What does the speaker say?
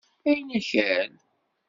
Ayyen akka!?